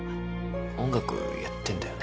音楽やってんだよね